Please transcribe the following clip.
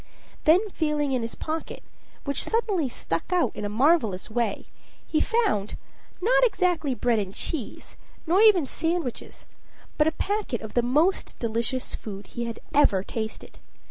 Then feeling in his pocket, which suddenly stuck out in a marvelous way, he found, not exactly bread and cheese, nor even sandwiches, but a packet of the most delicious food he had ever tasted.